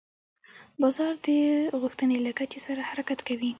بازار د غوښتنې له کچې سره حرکت کوي.